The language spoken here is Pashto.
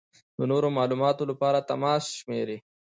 د نورو معلومات لپاره د تماس شمېرې: